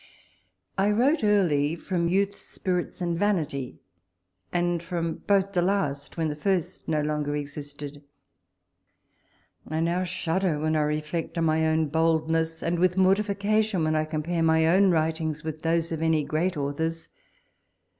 I wrote early from youth, spirits, and vanity ; and from both the last when the first no longer existed. I now shudder when I reflect on my own boldness ; and with mortification, when I compare my own writings with those of any great authors.